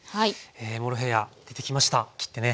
モロヘイヤ出てきました切ってね。